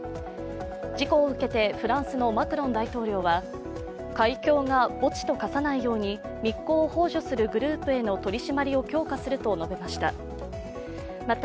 事故を受けて、フランスのマクロン大統領は海峡が墓地と化さないように密航をほう助するグループへの取り締まりを強化すると述べました。